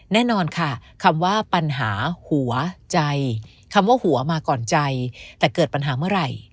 แน่นอนค่ะคำว่าปัญหาหัวใจคำว่าหัวมาก่อนใจแต่เกิดปัญหาเมื่อไหร่